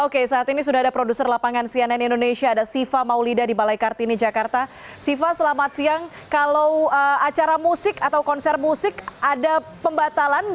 menggaruk memularkan keakhiran siva